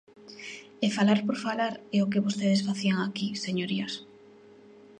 E falar por falar é o que vostedes facían aquí, señorías.